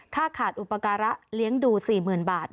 ขาดอุปการะเลี้ยงดู๔๐๐๐บาท